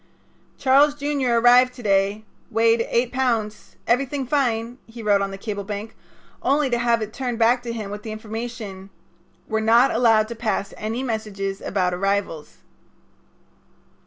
"Charles Jr. arrived to day. Weight eight pounds. Everything fine," he wrote on the cable blank, only to have it turned back to him with the information: "We're not allowed to pass any messages about arrivals."